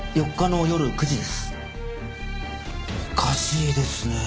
おかしいですねえ。